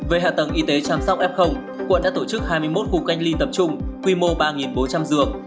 về hạ tầng y tế chăm sóc f quận đã tổ chức hai mươi một khu cách ly tập trung quy mô ba bốn trăm linh giường